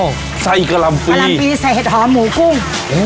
กะหล่ำปีใส่เห็ดหอมหมูกุ้ง